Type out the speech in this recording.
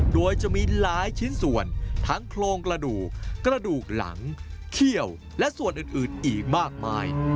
โดยจะมีหลายชิ้นส่วนทั้งโครงกระดูกกระดูกหลังเขี้ยวและส่วนอื่นอีกมากมาย